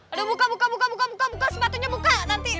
aduh buka buka buka buka buka buka sepatunya buka nanti